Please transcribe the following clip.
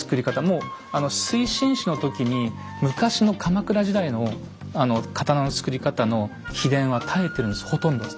もう水心子の時に昔の鎌倉時代の刀の作り方の秘伝は絶えてるんですほとんど。